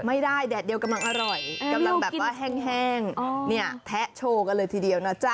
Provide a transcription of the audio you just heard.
แดดเดียวกำลังอร่อยกำลังแบบว่าแห้งเนี่ยแทะโชว์กันเลยทีเดียวนะจ๊ะ